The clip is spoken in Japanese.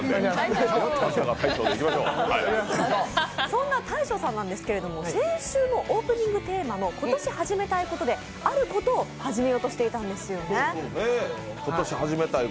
そんな大昇さんなんですが、トークテーマで今年始めたいことで、あることを始めようとしていたんですね。